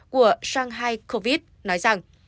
của shanghai covid nói rằng